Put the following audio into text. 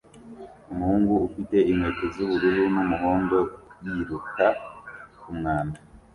Umuhungu ufite inkweto zubururu numuhondo yiruka kumwanda